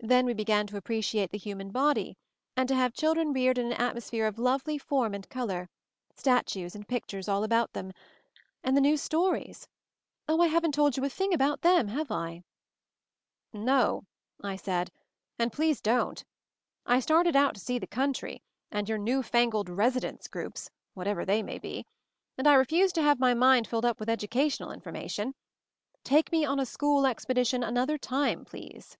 Then we began to appreciate the human body and to have chil dren reared in an atmosphere of lovely form and color, statues and pictures all about them, and the new stories — Oh! I haven't told you a thing about them, have I ?" "No," I said; "and please don't. I started out to see the country, and your new fangled 'residence groups,' whatever they may be. V 146 MOVING THE MOUNTAIN and I refuse to have my mind filled up with educational information. Take me on a school expedition another time, please."